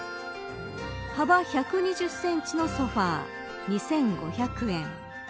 幅１２０センチのソファ２５００円。